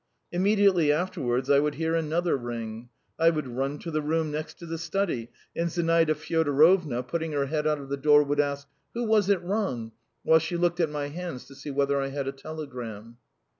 Immediately afterwards I would hear another ring; I would run to the room next to the study, and Zinaida Fyodorovna, putting her head out of the door, would ask, "Who was it rung?" while she looked at my hands to see whether I had a telegram.